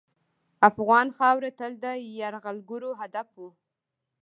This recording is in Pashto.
افغان خاوره تل د یرغلګرو هدف وه.